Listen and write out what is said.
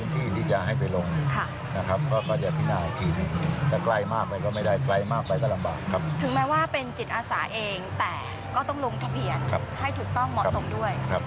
ถึงแม้ว่าเป็นจิตอาสาเองแต่ก็ต้องลงทะเบียนให้ถูกต้องเหมาะสมด้วย